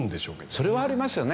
それはありますよね。